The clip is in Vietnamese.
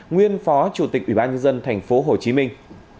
nguyên phó chủ tịch ủy ban nhân dân thành phố hồ chí minh